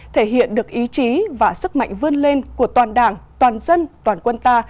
thể hiện được ý chí và sức mạnh vươn lên của toàn đảng toàn dân toàn quân ta